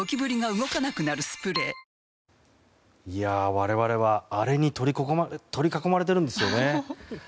我々は、あれに取り囲まれているんですよね。